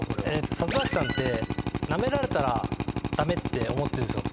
里崎さんってなめられたら駄目って思ってるんですよ。